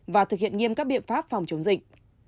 và thực hiện nghiêm các biện pháp phòng chống dịch